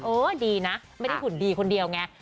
ดีนะไม่ได้หุ่นดีคนเดียวไง